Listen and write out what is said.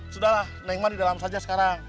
sudahlah neng mandi dalam saja sekarang